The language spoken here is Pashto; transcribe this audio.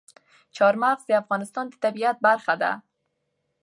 چار مغز د افغانستان د طبیعت برخه ده.